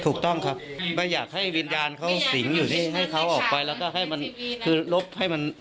ถูกต้องครับไม่อยากให้วิญญาณเขาสิงอยู่ให้เขาออกไปแล้วก็ให้มันคือลบให้มัน